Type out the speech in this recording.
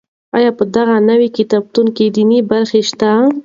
آیا په دغه نوي کتابتون کې دیني برخې شته؟